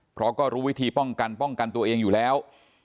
เพราะก็รู้วิธีป้องกันป้องกันตัวเองอยู่แล้ว